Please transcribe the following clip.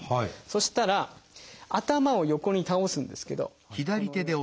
そしたら頭を横に倒すんですけどこのように。